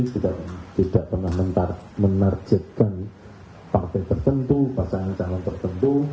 tidak pernah menarjetkan partai tertentu pasangan calon tertentu